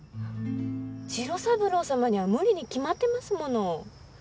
次郎三郎様には無理に決まってますもの。